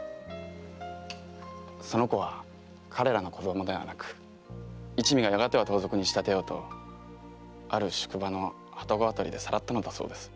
その子は彼らの子供ではなくやがては盗賊に仕立てようと一味がある宿場の旅籠あたりでさらったのだそうです。